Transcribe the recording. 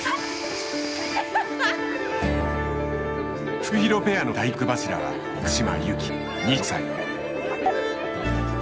フクヒロペアの大黒柱は福島由紀２６歳。